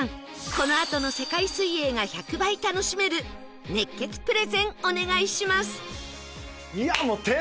このあとの世界水泳が１００倍楽しめる熱血プレゼンお願いします